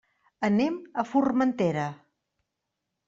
Anem a Formentera.